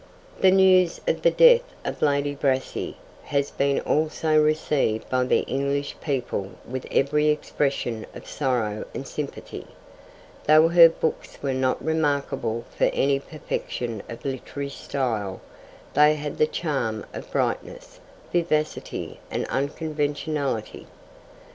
The news of the death of Lady Brassey has been also received by the English people with every expression of sorrow and sympathy. Though her books were not remarkable for any perfection of literary style, they had the charm of brightness, vivacity, and unconventionality.